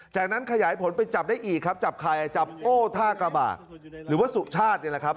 จากนั้นขยายผลไปจับได้อีกครับจับใครจับโอ้ท่ากระบาดหรือว่าสุชาตินี่แหละครับ